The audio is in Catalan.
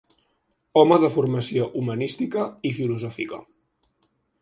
Home de formació humanística i filosòfica.